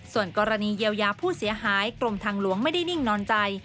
ส่วนกรณีเยียวยาผู้เสียหายกรมทางหลวงไม่ได้นิ่งนอนใจ